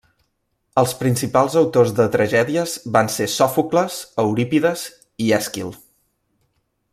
Els principals autors de tragèdies van ser Sòfocles, Eurípides i Èsquil.